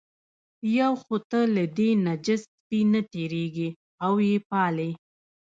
یو خو ته له دې نجس سپي نه تېرېږې او یې پالې.